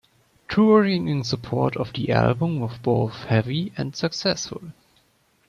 Touring in support of the album was both heavy and successful.